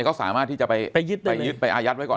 เขาสามารถที่จะไปยึดไปอายัดไว้ก่อน